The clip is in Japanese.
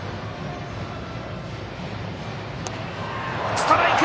ストライク！